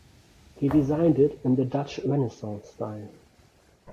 He designed it in the Dutch Renaissance style.